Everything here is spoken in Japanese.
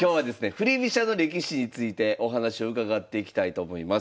振り飛車の歴史についてお話を伺っていきたいと思います。